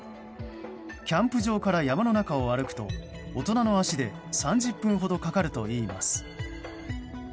キャンプ場から山の中を歩くと大人の足で３０分ほどかかるといいます。